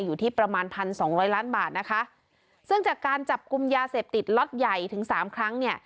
อยู่ที่ประมาณพันสองร้อยล้านบาทนะคะซึ่งจากการจับกลุ่มยาเสพติดล็อตใหญ่ถึงสามครั้งเนี่ย